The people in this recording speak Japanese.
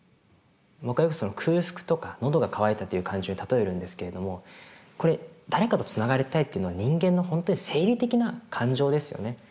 僕はよく空腹とか喉が渇いたという感情に例えるんですけれどもこれ誰かとつながりたいっていうのは人間の本当に生理的な感情ですよね。